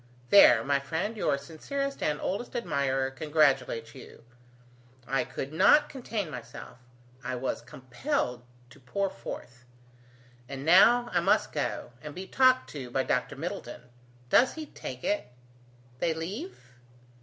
There, my friend, your sincerest and oldest admirer congratulates you. I could not contain myself; I was compelled to pour forth. And now I must go and be talked to by Dr. Middleton. How does he take it? They leave?"